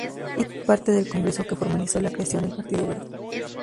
Hizo parte del congreso que formalizó la creación del Partido Verde.